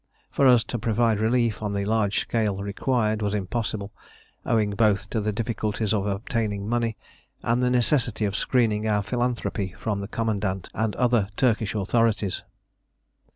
For us to provide relief on the large scale required was impossible, owing both to the difficulties of obtaining money and the necessity of screening our philanthropy from the commandant and other Turkish authorities.